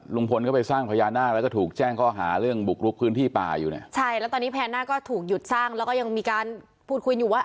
แล้วก็ยังมีการพูดคุยอยู่ว่า